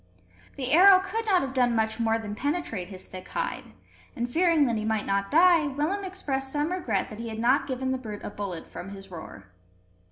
The arrow could not have done much more than penetrate his thick hide; and, fearing that he might not die, Willem expressed some regret that he had not given the brute a bullet from his roer.